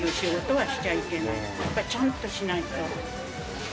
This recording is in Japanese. やっぱりちゃんとしないと。